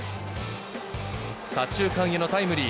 左中間へのタイムリー。